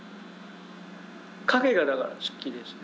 影がだから好きですね。